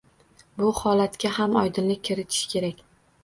Bu holatga ham oydinlik kiritish kerak